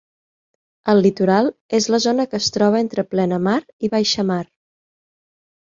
El litoral és la zona que es troba entre plenamar i baixamar.